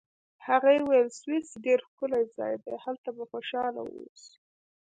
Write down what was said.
هغې وویل: سویس ډېر ښکلی ځای دی، هلته به خوشحاله واوسو.